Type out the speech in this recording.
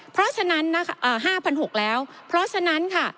เพราะฉะนั้นนะคะเอ่อห้าพันหกแล้วเพราะฉะนั้นค่ะ